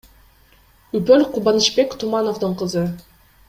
Үпөл — Кубанычбек Тумановдун кызы.